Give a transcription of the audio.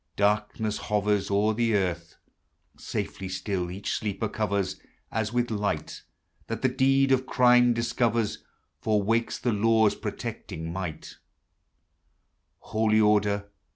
Darkness hovers O'er the earth. Safety still cadi sleeper covers \> with Light) That the (\^'<\s of clime discover : For wakes the law's prota till | might Holy Order